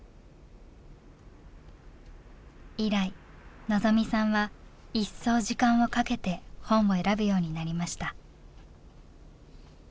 以来望未さんは一層時間をかけて本を選ぶようになりました。